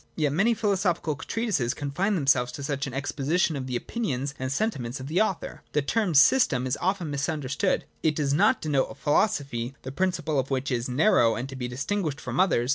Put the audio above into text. Yet many philosophical treatises confine themselves to such an exposition of the opinions and sentiments of the author. The term system is often misunderstood. It does not denote a philosophy, the principle of which is narrow and to be distinguished frpm others.